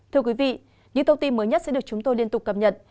thưa quý vị những thông tin mới nhất sẽ được chúng tôi liên tục cập nhật